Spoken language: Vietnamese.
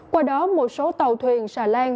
qua đó một số tàu thuyền xà lan